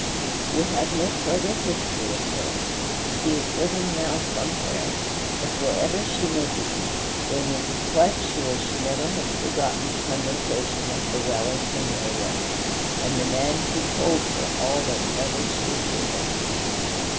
We have no further history of her. She is living now somewhere; but wherever she may be, we may be quite sure she never has forgotten the conversation at the well in Samaria, and the man who "told her all that ever she did."